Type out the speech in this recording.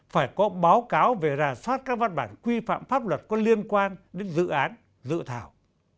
phải có báo cáo về rà soát các văn bản quy phạm pháp luật có liên quan đến dự án dự thảo